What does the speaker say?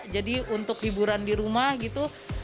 jadi untuk hiburan di rumah gitu